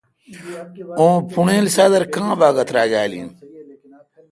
اوں پھوݨیل سادر کاں باگہ تراگال این۔